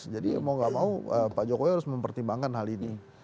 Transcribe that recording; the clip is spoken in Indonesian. jadi mau gak mau pak jokowi harus mempertimbangkan hal ini